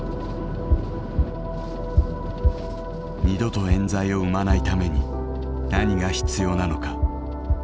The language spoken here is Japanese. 二度とえん罪を生まないために何が必要なのか。